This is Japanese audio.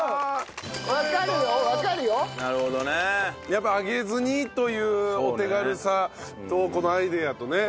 やっぱ揚げずにというお手軽さとこのアイデアとね。